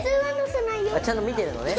ちゃんと見てるのね